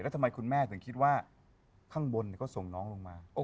ทำไมคุณแม่ถึงคิดว่าข้างบนก็ส่งน้องลงมา